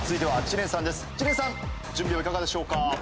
知念さん準備はいかがでしょうか？